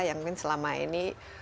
yang mungkin selama ini